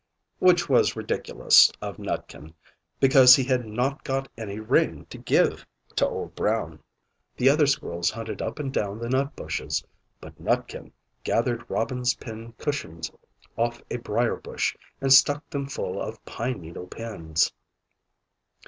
Which was ridiculous of Nutkin, because he had not got any ring to give to Old Brown. The other squirrels hunted up and down the nut bushes; but Nutkin gathered robin's pin cushions off a briar bush, and stuck them full of pine needle pins.